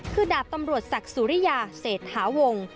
คือดาบตำรวจศักดิ์สุริยาเศรษฐาวงศ์